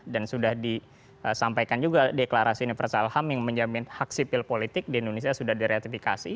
dan sudah disampaikan juga deklarasi universal ham yang menjamin hak sipil politik di indonesia sudah diretifikasi